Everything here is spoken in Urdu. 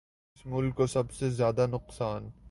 اس ملک کو سب سے زیادہ نقصان